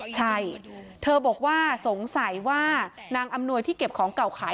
ใช่เธอบอกว่าสงสัยว่านางอำนวยที่เก็บของเก่าขาย